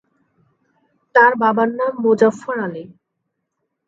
তার বাবার নাম মোজাফফর আলী।